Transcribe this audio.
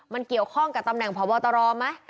มันเกี่ยวข้องกับตำแหน่งพบตรไหม